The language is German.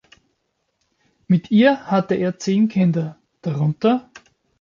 Mit ihr hatte er zehn Kinder, darunter